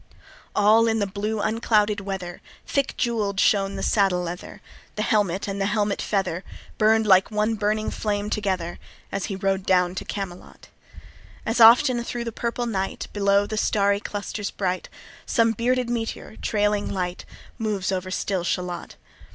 All in the blue unclouded weather Thick jewell'd shone the saddle leather, The helmet and the helmet feather Burn'd like one burning flame together, As he rode down to Camelot. As often thro' the purple night, Below the starry clusters bright, Some bearded meteor, trailing light, Moves over still Shalott.